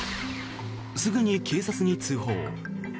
すぐに警察に通報。